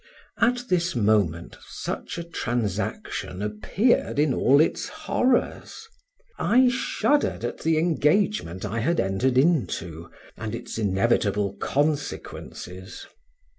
At this moment such a transaction appeared in all its horrors; I shuddered at the engagement I had entered into, and its inevitable consequences.